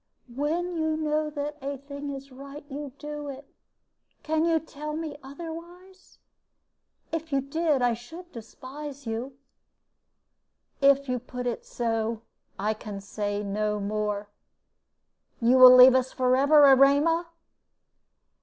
When you know that a thing is right, you do it. Can you tell me otherwise? If you did, I should despise you." "If you put it so, I can say no more. You will leave us forever, Erema?"